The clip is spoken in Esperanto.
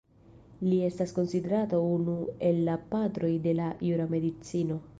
Li estas konsiderata unu el la patroj de la jura medicino.